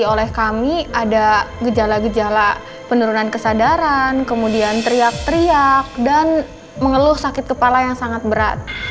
oleh kami ada gejala gejala penurunan kesadaran kemudian teriak teriak dan mengeluh sakit kepala yang sangat berat